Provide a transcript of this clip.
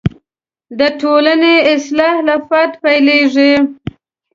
د ټولنې اصلاح له فرده پیلېږي.